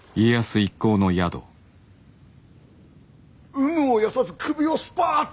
有無を言わさず首をスパッと！